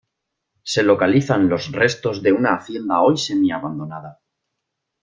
Se localizan los restos de una hacienda hoy semi-abandonada.